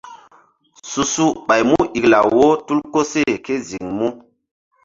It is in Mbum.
Su-su ɓay mu iklaw wo tul koseh ké ziŋ mu.